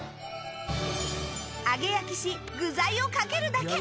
揚げ焼きし、具材をかけるだけ。